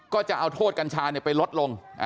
ก็จะเอาโทษกัญชาไปลดลง